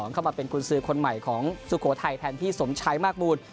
เข้ามาเป็นกุญสือคนใหม่ของสุโขทัยแทนพี่สมชัยมากบูล